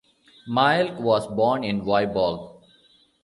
Mielck was born in Vyborg.